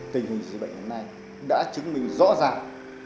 điều này đã chứng minh rõ ràng